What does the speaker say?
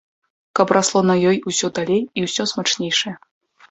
Каб расло на ёй усё далей і ўсё смачнейшае.